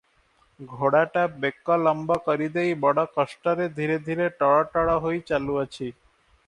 ଘୋଡ଼ାଟା ବେକ ଲମ୍ବ କରିଦେଇ ବଡ଼ କଷ୍ଟରେ ଧୀରେ ଧୀରେ ଟଳଟଳହୋଇ ଚାଲୁଅଛି ।